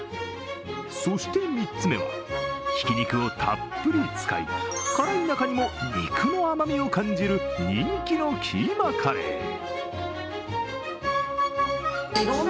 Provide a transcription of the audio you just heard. そして３つ目は、ひき肉をたっぷり使い、辛い中にも肉の甘みを感じる人気のキーマカレー。